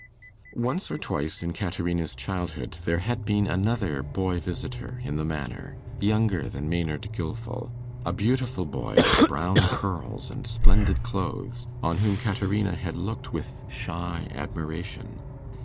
Once or twice in Caterina's childhood, there had been another boy visitor at the manor, younger than Maynard Gilfil a beautiful boy with brown curls and splendid clothes, on whom Caterina had looked with shy admiration.